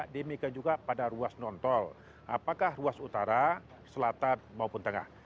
demikian juga pada ruas non tol apakah ruas utara selatan maupun tengah